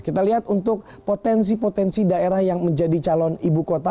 kita lihat untuk potensi potensi daerah yang menjadi calon ibu kota